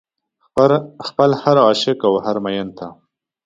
خپل هر عاشق او هر مين ته